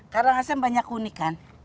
karangasem banyak keunikan